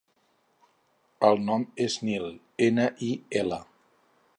El nom és Nil: ena, i, ela.